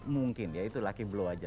mungkin ya itu lucky blow aja